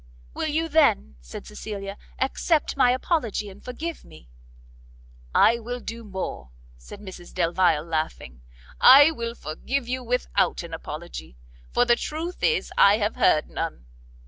"Will you then," said Cecilia, "accept my apology, and forgive me?" "I will do more," said Mrs Delvile laughing, "I will forgive you without an apology; for the truth is I have heard none!